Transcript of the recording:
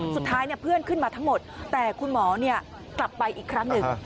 สุดท้ายเพื่อนขึ้นมาทั้งหมดแต่คุณหมอกลับไปอีกครั้งหนึ่ง